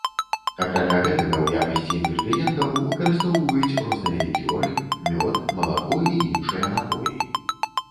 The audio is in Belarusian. Акрамя гэтага ў якасці інгрэдыентаў выкарыстоўваюць розныя лікёры, мёд, малако і іншыя напоі.